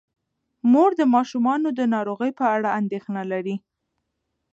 مور د ماشومانو د ناروغۍ په اړه اندیښنه لري.